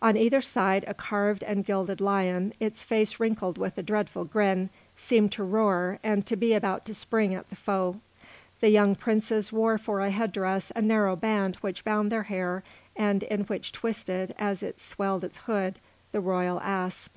On either side a carved and gilded lion, its face wrinkled with a dreadful grin, seemed to roar, and to be about to spring at the foe. The young princes wore for a head dress a narrow band which bound their hair and in which twisted, as it swelled its hood, the royal asp.